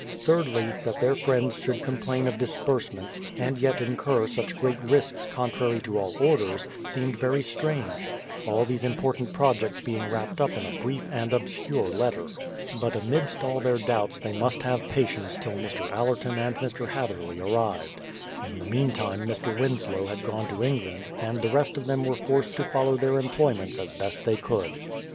Thirdly, that their friends should complain of disbursements, and 220 BRADFORD'S HISTORY OF yet incur such great risks contrary to all orders, seemed very strange, — all these important projects being wrapped up in a brief and obscure letter. But amidst all their doubts they must have patience till Mr. Allerton and Mr. Hath erley arrived. In the meantime Mr. Winslow had gone to England, and the rest of them v^ere forced to follow their employments as best they could.